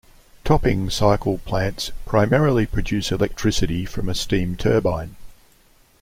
Topping cycle plants primarily produce electricity from a steam turbine.